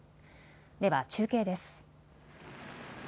では中継です。